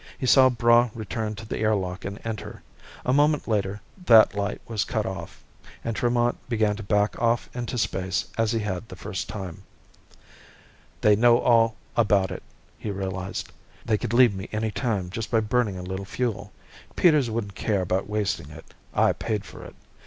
He saw Braigh return to the air lock and enter. A moment later, that light was cut off, and Tremont began to back off into space as he had the first time. They know all about it, he realized. _They could leave me any time just by burning a little fuel. Peters wouldn't care about wasting it I paid for it.